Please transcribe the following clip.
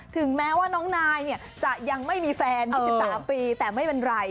ถึงแม้ว่าน้องนายจะยังไม่มีแฟน๒๓ปีแต่ไม่เป็นไร